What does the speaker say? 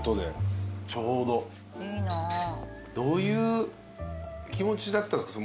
どういう気持ちだったんですか？